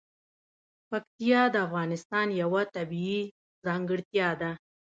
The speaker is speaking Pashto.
پکتیا د افغانستان یوه طبیعي ځانګړتیا ده.